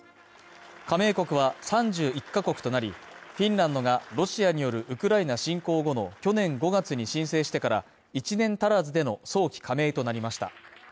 加盟国は３１カ国となり、フィンランドがロシアによるウクライナ侵攻後の去年５月に申請してから１年足らずでの早期加盟となりました。